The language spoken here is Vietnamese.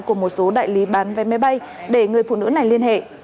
của một số đại lý bán vé máy bay để người phụ nữ này liên hệ